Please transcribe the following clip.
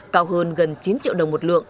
cao hơn gần chín triệu đồng một lượng